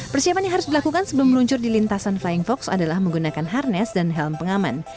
persiapan yang harus dilakukan sebelum meluncur di lintasan flying fox adalah menggunakan harness dan helm pengaman